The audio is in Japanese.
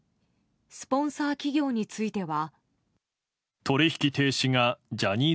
スポンサー企業については。